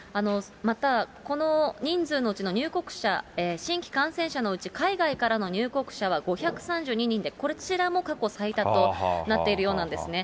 また、この人数のうちの入国者、新規感染者のうち海外からの入国者は５３２人で、こちらも過去最多となっているようなんですね。